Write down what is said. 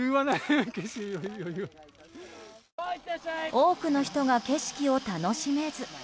多くの人が景色を楽しめず。